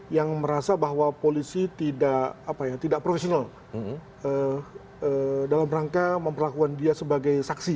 yang merasa bahwa polisi tidak profesional dalam rangka memperlakukan dia sebagai saksi